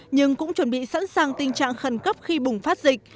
nhưng cũng chuẩn bị sẵn sàng tình trạng khẩn cấp khi bùng phát dịch